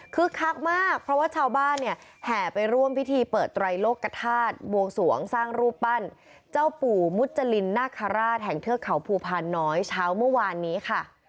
คือคักมากเพราะว่าชาวบ้านเนี่ยแห่ไปร่วมพิธีเปิดไตรโลกกระทาสบวงสวงสร้างรูปปั้นเจ้าปู่มุจรินนาคาราชแห่งเทือกเขาภูพานน้อยเช้าเมื่อวานนี้ค่ะ